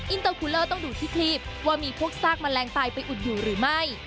อินเตอร์คูเลอร์ต้องดูที่ครีบว่ามีพวกซากแมลงตายไปอุดอยู่หรือไม่